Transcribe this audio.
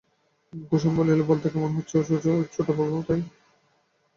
কুসুম বলিল, বলতে কেমন ইচ্ছে হচ্ছিল ছোটবাবু, তাই।